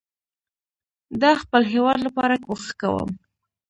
ده خپل هيواد لپاره کوښښ کوم